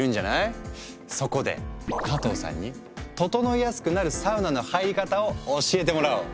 そこで加藤さんにととのいやすくなるサウナの入り方を教えてもらおう。